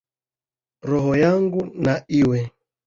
Roho yangu na iwe,